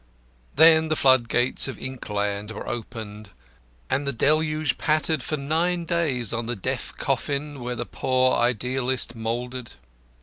Then the floodgates of inkland were opened, and the deluge pattered for nine days on the deaf coffin where the poor idealist mouldered.